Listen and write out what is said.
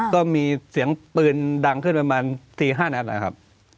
ก็มีเสียงปืนดังขึ้นประมาณ๔๕นัดนะครับ